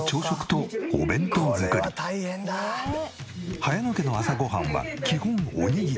早野家の朝ごはんは基本おにぎり。